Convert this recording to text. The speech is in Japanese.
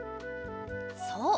そう！